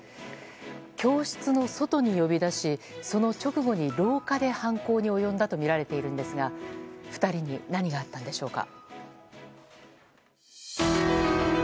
教室の外に呼び出しその直後に廊下で犯行に及んだとみられているんですが２人に何があったんでしょうか。